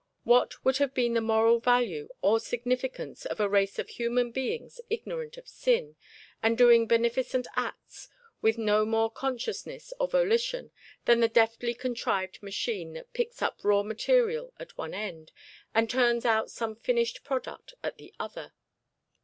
What would have been the moral value or significance of a race of human beings ignorant of sin, and doing beneficent acts with no more consciousness or volition than the deftly contrived machine that picks up raw material at one end, and turns out some finished product at the other?